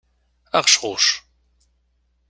Aɣecɣuc.